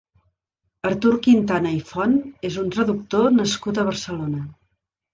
Artur Quintana i Font és un traductor nascut a Barcelona.